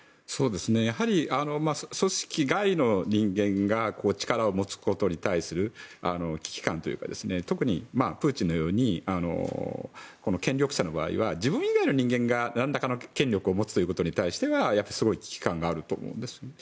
やはり、組織外の人間が力を持つことに対する危機感というか特にプーチンのように権力者の場合は自分以外の人間が何らかの権力を持つことに関してはすごい危機感があると思うんです。